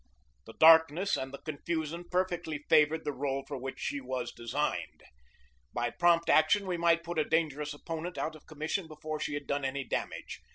The darkness and the confusion perfectly favored the role for which she was designed. By prompt action we might put a dangerous opponent out of commission before she had done any damage.